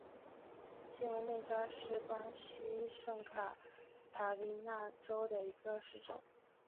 新韦内扎是巴西圣卡塔琳娜州的一个市镇。